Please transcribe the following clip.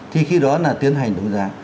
thì khi đó là tiến hành đấu giá